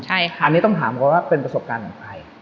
อันนี้ต้องถามก่อนว่าเป็นประสบการณ์ของใคร